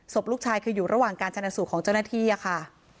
ศพลูกชายคืออยู่ระหว่างการชนะสูตรของเจ้าหน้าที่อะค่ะ